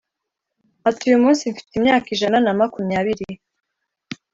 ati uyu munsi mfite imyaka ijana na makumyabiri